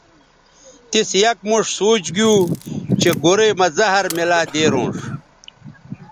تِس یک موݜ سوچ گیو چہء گورئ مہ زہر میلہ دیرونݜ